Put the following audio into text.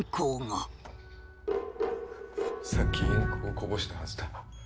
さっきインクをこぼしたはずだ。